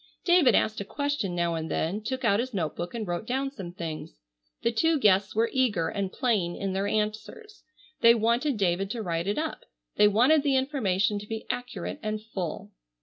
David asked a question now and then, took out his note book and wrote down some things. The two guests were eager and plain in their answers. They wanted David to write it up. They wanted the information to be accurate and full.